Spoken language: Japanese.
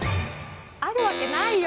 あるわけないよ！